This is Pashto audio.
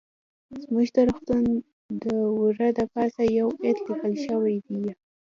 زموږ د روغتون د وره د پاسه يو ايت ليکل شوى ديه.